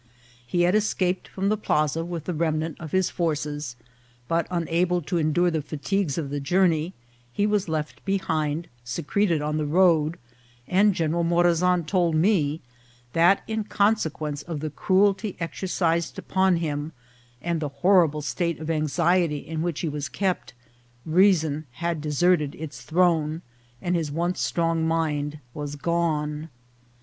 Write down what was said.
He had es caped from the plaza with the remnant of his forces, but, unable to endure the fatigues of the journey, he was left behind, secreted on the road ; and General Morazan told me that, in consequence of the cruelty ex ercised upon him, and the horrible state of anxiety in which he was kept, reason had deserted its throne, and his once strong mind was gone.